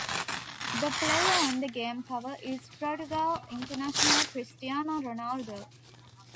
The player on the game cover is Portugal international Cristiano Ronaldo.